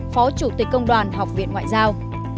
phó chủ tịch công đoàn học viện ngoại giao